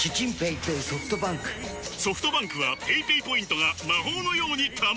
ソフトバンクはペイペイポイントが魔法のように貯まる！